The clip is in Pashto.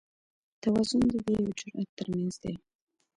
توازن د وېرې او جرئت تر منځ دی.